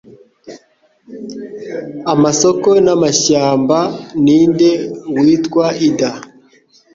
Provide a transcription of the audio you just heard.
amasoko n'amashyamba ninde witwa Ida